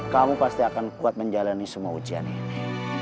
kamu pasti akan kuat menjalani semua ujian ini